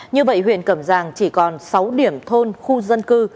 như vậy huyện cẩm giang chỉ còn sáu điểm thôn khu dân cư